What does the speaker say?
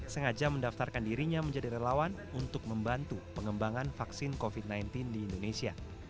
sengaja mendaftarkan dirinya menjadi relawan untuk membantu pengembangan vaksin covid sembilan belas di indonesia